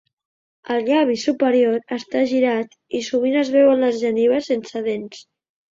El llavi superior està girat i sovint es veuen les genives sense dents.